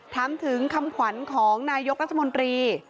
ถามถึงคำขวัญของนายกรัฐมนตรี